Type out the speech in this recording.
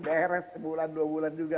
beres sebulan dua bulan juga